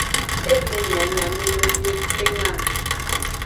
E le nyanyameno miwo pleng a.